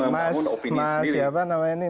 jadi nggak boleh kita membangun opini sendiri